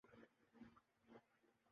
روڑے نہیں اٹکا رہے۔